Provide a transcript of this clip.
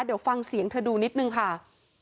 เดี๋ยวฟังเสียงเธอดูนิดนึงค่ะ